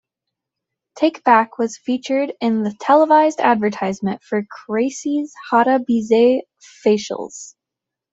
"Take Back" was featured in the televised advertisement for Kracie's Hada-bisei facials.